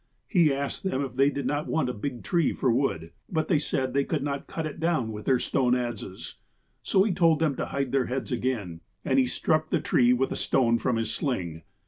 '' He asked them if they did not want a big tree for wood, but they said that they could not cut it down with their stone adzes. So he told them to hide their heads again, and he struck the tree with a stone from his sling.